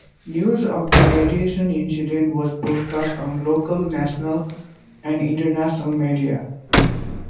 News of the radiation incident was broadcast on local, national, and international media.